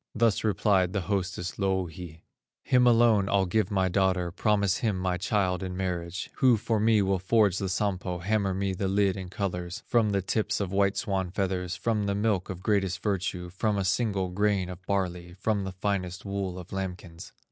Thus replied the hostess, Louhi: "Him alone I'll give my daughter, Promise him my child in marriage, Who for me will forge the Sampo, Hammer me the lid in colors, From the tips of white swan feathers, From the milk of greatest virtue, From a single grain of barley, From the finest wool of lambkins."